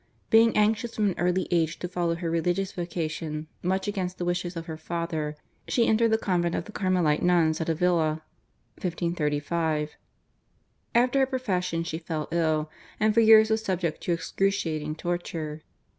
Being anxious from an early age to follow her religious vocation, much against the wishes of her father she entered the convent of the Carmelite nuns at Avila (1535). After her profession she fell ill, and for years was subject to excruciating torture.